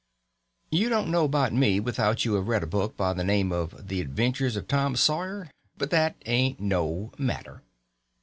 You don't know about me without you have read a book by the name of The Adventures of Tom Sawyer; but that ain't no matter.